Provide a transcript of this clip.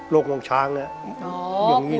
โรคลงช้างอย่างมืด